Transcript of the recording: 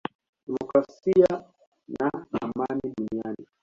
demokrasia na amani duniani